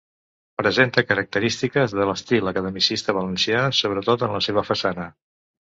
Presenta característiques de l'estil academicista valencià, sobretot en la seva façana.